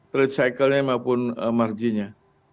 trade cycle nya maupun margin nya